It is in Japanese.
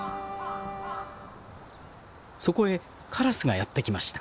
そこへカラスがやって来ました。